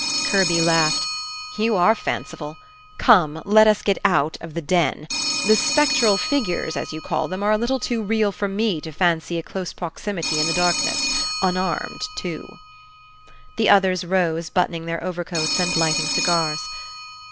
Kirby laughed. "You are fanciful. Come, let us get out of the den. The spectral figures, as you call them, are a little too real for me to fancy a close proximity in the darkness, unarmed, too." The others rose, buttoning their overcoats, and lighting cigars.